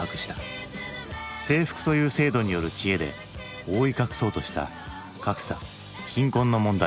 制服という制度による知恵で覆い隠そうとした格差貧困の問題。